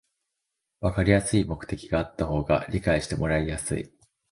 わかりやすい目的があった方が理解してもらいやすい